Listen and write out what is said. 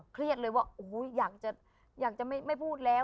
เครียดเลยว่าโอ้โหอยากจะไม่พูดแล้ว